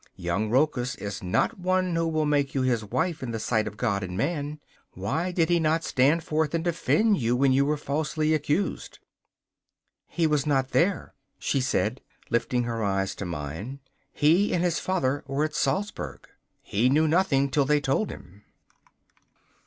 Young Rochus is not one who will make you his wife in the sight of God and Man. Why did he not stand forth and defend you when you were falsely accused?' 'He was not there,' she said, lifting her eyes to mine; 'he and his father were at Salzburg. He knew nothing till they told him.